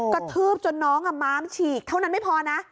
กระทืบจนน้องม้ามฉีกเท่านั้นไม่พอนะ